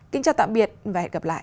kính chào tạm biệt và hẹn gặp lại